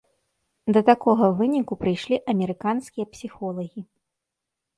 Да такога выніку прыйшлі амерыканскія псіхолагі.